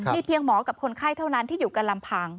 มีเพียงหมอกับคนไข้เท่านั้นที่อยู่กันลำพัง